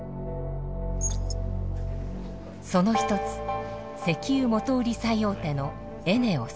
その一つ石油元売り最大手のエネオス。